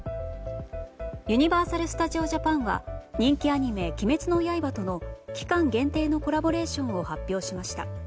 ユニバーサル・スタジオ・ジャパンは人気アニメ「鬼滅の刃」との期間限定のコラボレーションを発表しました。